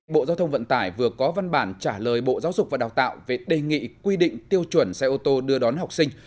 bộ giao thông vận tải vừa có văn bản trả lời bộ giáo dục và đào tạo về đề nghị quy định tiêu chuẩn xe ô tô đưa đón học sinh